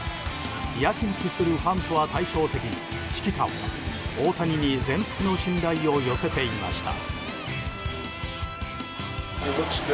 やきもきするファンとは対照的に指揮官は大谷に全幅の信頼を寄せていました。